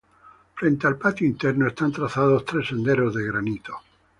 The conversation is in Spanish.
Frente al patio interno, están trazados tres senderos de granito.